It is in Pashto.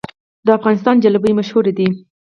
د افغانستان جلبي مشهوره ده